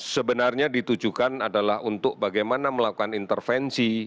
sebenarnya ditujukan adalah untuk bagaimana melakukan intervensi